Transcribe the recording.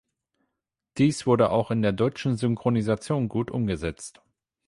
Dies wurde auch in der deutschen Synchronisation gut umgesetzt.